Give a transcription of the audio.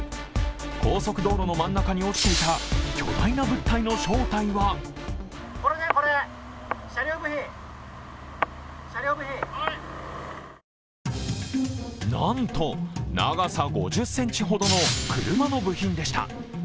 高速道路の真ん中に落ちていた巨大な物体の正体はなんと長さ５０ｃｍほどの車の部品でした。